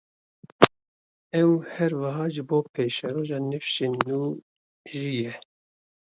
Ew her weha ji bo pêşeroja nifşên nû jî ye.